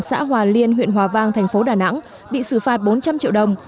xã hòa liên huyện hòa vang thành phố đà nẵng bị xử phạt bốn trăm linh triệu đồng